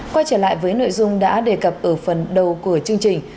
quay trở lại với nội dung đã đề cập ở phần đầu của chương trình